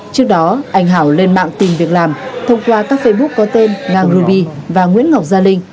trước đó anh hảo lên mạng tìm việc làm thông qua các facebook có tên nagubi và nguyễn ngọc gia linh